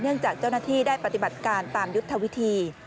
จากเจ้าหน้าที่ได้ปฏิบัติการตามยุทธวิธี